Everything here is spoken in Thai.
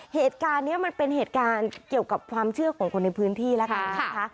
เหตุการณ์เนี้ยมันเป็นเหตุการณ์เกี่ยวกับความเชื่อคนในพื้นที่นะคะค่ะ